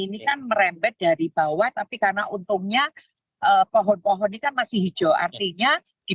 ini kan merembet dari bawah tapi karena untungnya pohon pohon ini kan masih hijau artinya